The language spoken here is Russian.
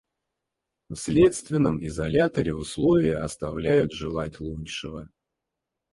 В следственном изоляторе условия оставляют желать лучшего.